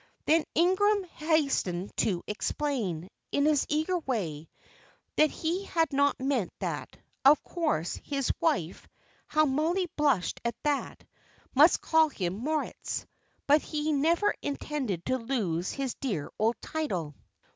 And then Ingram hastened to explain, in his eager way, that he had not meant that. Of course his wife how Mollie blushed at that must call him Moritz; but he never intended to lose his dear old title.